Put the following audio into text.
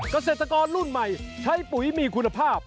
เกษตรกรรุ่นใหม่ใช้ปุ๋ยมีคุณภาพ